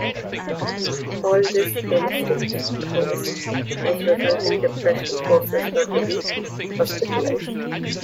All this devastates Rose, whose resulting depression forces her to be hospitalized.